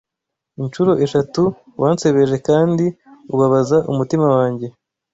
Inshuro eshatu wansebeje kandi ubabaza umutima wanjye